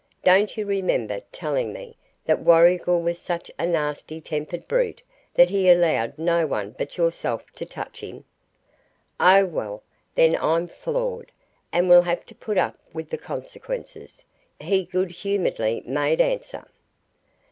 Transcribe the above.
"Don't you remember telling me that Warrigal was such a nasty tempered brute that he allowed no one but yourself to touch him?" "Oh well, then, I'm floored, and will have to put up with the consequences," he good humouredly made answer.